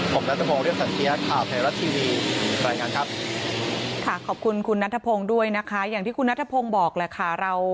ผมนัทธพงศ์เรียบสังเกียรติข่าว